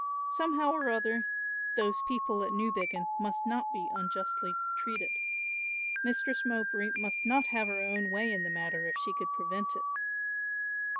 Somehow or other those people at Newbiggin must not be unjustly treated. Mistress Mowbray must not have her own way in the matter if she could prevent it.